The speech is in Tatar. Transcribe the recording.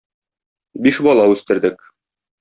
Биш бала үстердек.